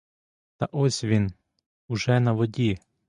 Та ось він уже на воді.